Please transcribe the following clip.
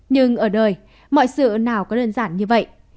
nhưng ở đời mọi sự nào có đơn giản như vậy